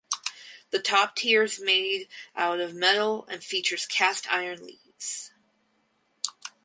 The top tier is made out of metal and features cast iron leaves.